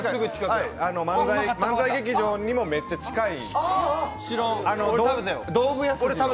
漫才劇場にもめっちゃ近い。